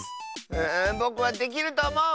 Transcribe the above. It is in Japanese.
うぼくはできるとおもう！